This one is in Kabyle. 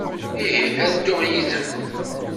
Ih, ad dduɣ yid-m.